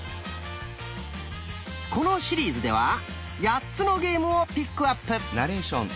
このシリーズでは８つのゲームをピックアップ。